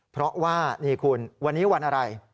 เพราะว่านี่คุณวันนี้วันอะไร